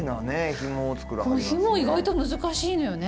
ひも意外と難しいのよね。